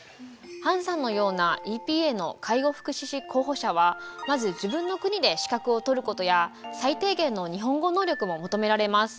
ハンさんのようなＥＰＡの介護福祉士候補者はまず自分の国で資格を取ることや最低限の日本語能力も求められます。